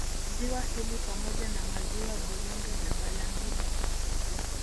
Ziwa hili pamoja na Maziwa Burunge na Balangida